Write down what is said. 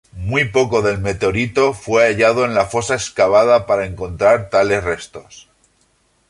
Muy poco del meteorito fue hallado en la fosa excavada para encontrar tales restos.